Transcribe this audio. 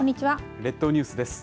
列島ニュースです。